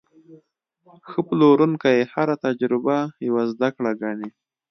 ښه پلورونکی هره تجربه یوه زده کړه ګڼي.